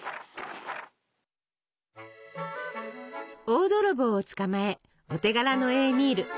大泥棒を捕まえお手柄のエーミール。